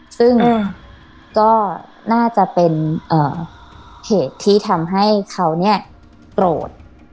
ซึ่งก็น่าจะเป็นเหตุที่ทำให้เขาเนี่ยโกรธ